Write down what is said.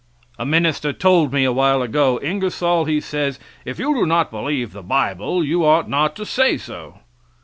A minister told me awhile ago, "Ingersoll," he says, "if you do not believe the bible you ought not to say so."